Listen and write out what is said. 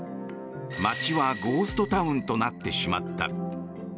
街はゴーストタウンとなってしまった。